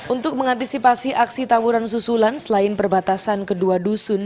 untuk mengantisipasi aksi tawuran susulan selain perbatasan kedua dusun